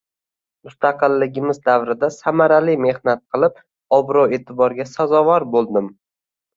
Mustaqilligimiz davrida samarali mehnat qilib obro‘-e’tiborga sazovor bo‘ldim.